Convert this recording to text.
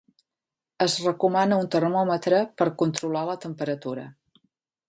Es recomana un termòmetre per a controlar la temperatura.